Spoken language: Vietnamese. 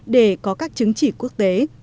để có các chứng chỉ quốc tế